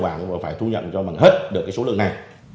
chúng ta phải thu nhận cho bằng hết được cái số liệu này